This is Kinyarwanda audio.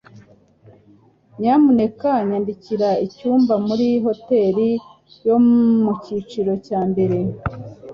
Nyamuneka nyandikira icyumba muri hoteri yo mucyiciro cya mbere.